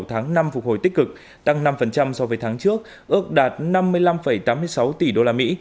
sáu tháng năm phục hồi tích cực tăng năm so với tháng trước ước đạt năm mươi năm tám mươi sáu tỷ đô la mỹ